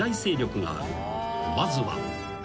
［まずは］